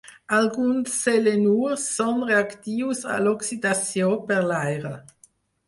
Alguns selenurs són reactius a l"oxidació per l"aire.